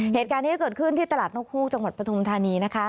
เหตุการณ์นี้เกิดขึ้นที่ตลาดนกฮูกจังหวัดปฐุมธานีนะคะ